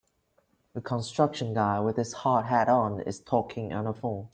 A construction guy with his hard hat on is talking on the phone.